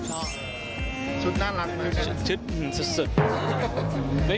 ชุดน่ารักขึ้นไหม